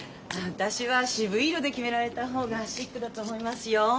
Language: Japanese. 私は渋い色で決められた方がシックだと思いますよ。